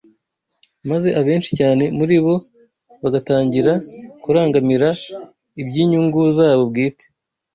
maze abenshi cyane muri bo bagatangira kurangamira iby’inyungu zabo bwite